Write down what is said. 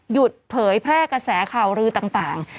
เผยแพร่กระแสข่าวลือต่าง